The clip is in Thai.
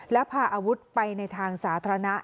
และพาอาวุธไปในทางสาธารณะ